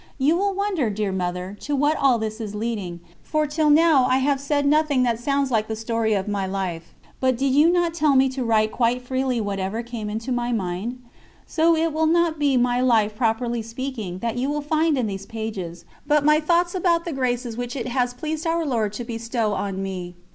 You will wonder, dear Mother, to what all this is leading, for till now I have said nothing that sounds like the story of my life; but did you not tell me to write quite freely whatever came into my mind? So, it will not be my life properly speaking, that you will find in these pages, but my thoughts about the graces which it has pleased Our Lord to bestow on me.